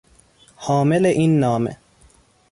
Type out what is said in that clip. حامل این نامه